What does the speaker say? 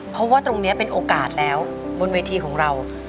เพราะว่าตรงนี้เป็นโอกาสแล้วบนเวทีของเรา